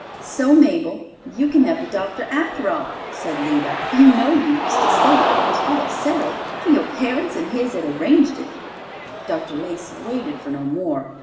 "So, Mabel, you can have the doctor after all," said Lida. "You know you used to say that it was all settled, for your parents and his had arranged it." Dr. Lacey waited for no more.